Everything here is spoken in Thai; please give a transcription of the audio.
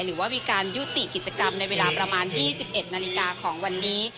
หรือว่ามีการยุติกิจกรรมในเวลาประมาณ๒๑นาฬิกาของวันนี้